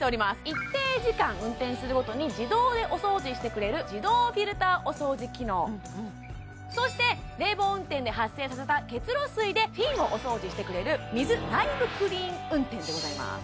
一定時間運転するごとに自動でお掃除してくれる自動フィルターお掃除機能そして冷房運転で発生させた結露水でフィンをお掃除してくれる水内部クリーン運転でございます